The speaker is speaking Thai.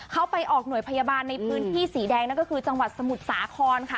เขาไปออกหน่วยพยาบาลในพื้นที่สีแดงนั่นก็คือจังหวัดสมุทรสาครค่ะ